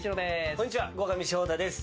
こんにちは、後上翔太です。